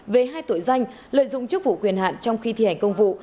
về hai tội danh lợi dụng chức vụ quyền hạn trong khi thi hành công vụ